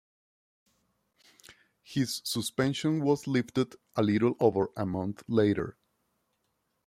His suspension was lifted a little over a month later.